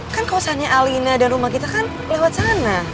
kan kosannya alina dan rumah kita kan lewat sana